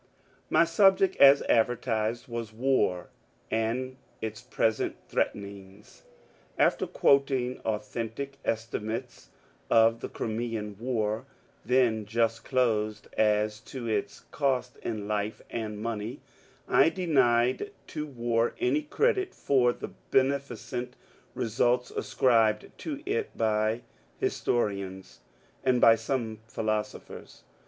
My subject as adrertised was '^ War, and its present Threatenings." After quoting authen tic estimates of the Crimean War, then just closed, as to its cost in life and money, I denied to War any credit for the beneficent results ascribed to it by historians, and by some philosophers.